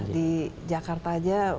di jakarta aja